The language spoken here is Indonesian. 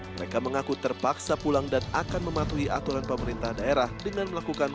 mereka mengaku terpaksa pulang dan akan mematuhi aturan pemerintah daerah dengan melakukan